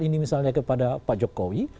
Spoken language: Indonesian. ini misalnya kepada pak jokowi